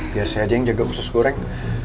biar saya aja yang jaga usus goreng